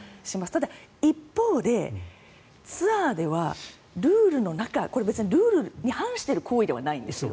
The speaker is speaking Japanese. ただ一方で、ツアーではルールの中これは別にルールに反している行為ではないんです。